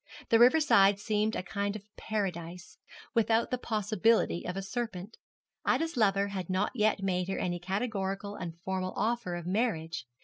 The river side seemed a kind of Paradise, without the possibility of a serpent. Ida's lover had not yet made her any categorical and formal offer of marriage.